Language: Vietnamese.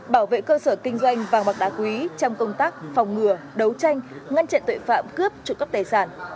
bảo vệ cơ sở kinh doanh vàng bạc đá quý trong công tác phòng ngừa đấu tranh ngăn chặn tội phạm cướp trộm cắp tài sản